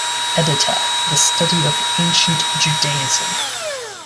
Editor: The Study of Ancient Judaism.